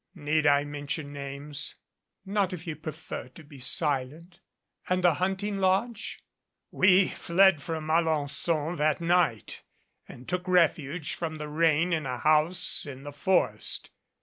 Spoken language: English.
Need I mention names?" "Not if you prefer to be silent. And the hunting lodge?" "We fled from Alen9on that night and took refuge from the rain in a house in the forest.